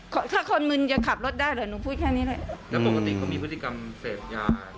ถ้าคนมึนจะขับรถได้เหรอหนูพูดแค่นี้หน่อยแล้วปกติเขามีพฤติกรรมเสพยา